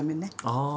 ああ。